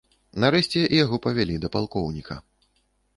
Нарэшце яго павялі да палкоўніка.